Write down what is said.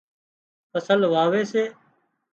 فصل واوي سي